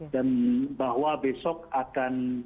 dan bahwa besok akan